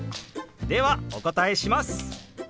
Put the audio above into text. ではお答えします。